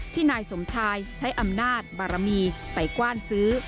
นายสมชายใช้อำนาจบารมีไปกว้านซื้อ